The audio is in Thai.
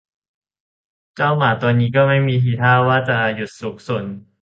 เจ้าหมาตัวนี้ก็ไม่มีทีท่าว่าจะหยุดซุกซน